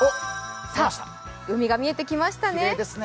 海が見えてきましたね。